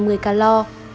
sữa chua ít béo